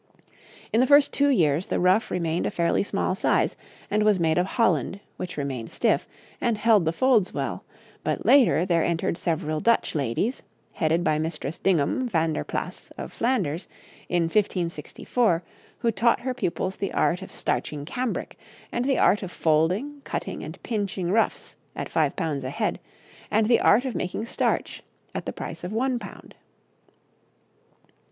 In the first two years the ruff remained a fairly small size, and was made of holland, which remained stiff, and held the folds well; but later, there entered several Dutch ladies, headed by Mistress Dingham Vander Plasse, of Flanders, in 1564, who taught her pupils the art of starching cambric, and the art of folding, cutting, and pinching ruffs at five pounds a head, and the art of making starch, at the price of one pound.